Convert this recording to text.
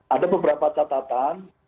ada beberapa catatan